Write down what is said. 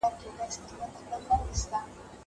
دا بوټونه له هغه پاک دي!!